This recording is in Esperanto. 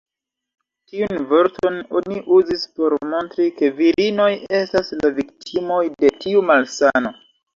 Tiun vorton oni uzis por montri ke virinoj estas la viktimoj de tiu malsano.